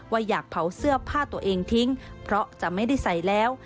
อยากเผาเสื้อผ้าตัวเองทิ้งเพราะจะไม่ได้ใส่แล้ว